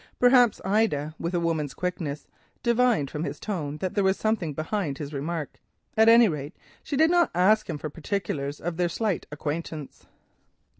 Perhaps Ida, with a woman's quickness, divined from his tone that there was something behind his remark—at any rate she did not ask him for particulars of their slight acquaintance.